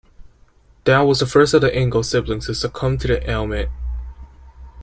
Dow was the first of the Ingalls siblings to succumb to the ailment.